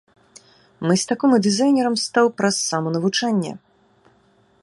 Мастаком і дызайнерам стаў праз саманавучанне.